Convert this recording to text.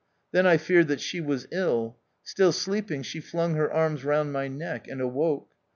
Then I feared that she was ill. Still sleeping, she flung her arms round my neck, and awoke.